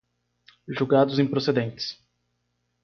julgados improcedentes